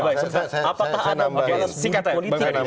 apakah ada politik yang bisa kita